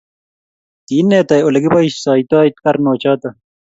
Kiineta ole kipoisotoi karnok choto